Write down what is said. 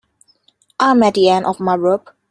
I'm at the end of my rope.